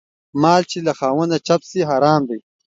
مال چې له خاونده چپ سي حرام دى.